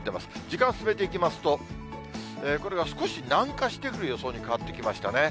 時間進めていきますと、これが少し南下してくる予想に変わってきましたね。